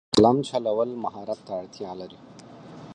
د قلم چلول مهارت ته اړتیا لري.